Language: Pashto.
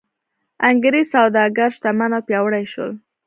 انګرېز سوداګر شتمن او پیاوړي شول.